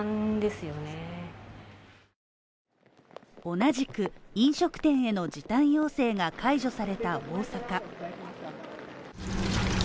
同じく飲食店への時短要請が解除された大阪。